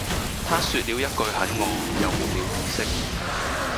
她說了一句很餓又沒了意識